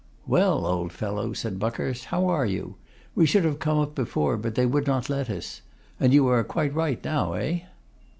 'Well, old fellow,' said Buckhurst, 'how are you? We should have come up before, but they would not let us. And you are quite right now, eh?